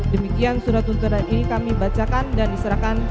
demikian surat tuntutan ini kami bacakan dan diserahkan